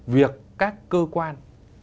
việc các cơ quan